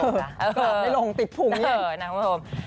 ก้มไม่ลงติดพุงอีก